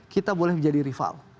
kita boleh menjadi rival